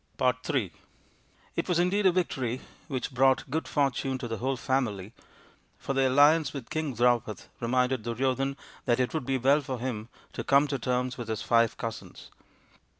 in It was indeed a victory which brought good fortune to the whole family, for the alliance with King Draupad reminded Duryodhan that it would be well for him to come to terms with his five cousins.